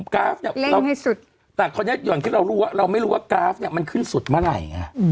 กราฟเนี่ยเล่นให้สุดแต่อย่างที่เรารู้เราไม่รู้ว่ากราฟเนี่ยมันขึ้นสุดเมื่อไหร่